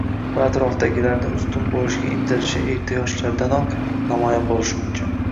va atrofdagilardan ustun bo‘lishga intilishi erta yoshlardanoq namoyon bo‘lishi mumkin.